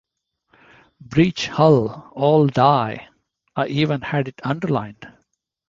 'Breach hull, all die' - I even had it underlined!